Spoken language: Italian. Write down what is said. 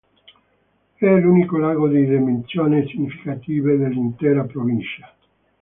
È l'unico lago di dimensioni significative dell'intera provincia.